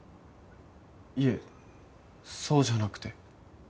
いえそうじゃなくて。